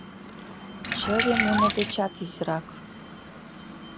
Чыве муно дечат изирак.